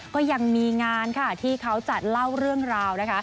ก็ยังมีงานค่ะที่เขาจัดเล่าเรื่องราวนะคะ